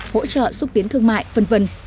hỗ trợ xúc tiến thương mại v v